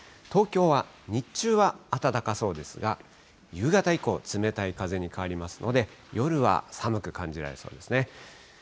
東京は日中は暖かそうですが、夕方以降、冷たい風に変わりますので、夜は寒く感じられそうですね。